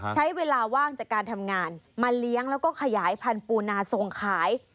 ใช้เวลาว่างจากการทำงานมาเลี้ยงแล้วก็ขยายพันธุนาส่งขาย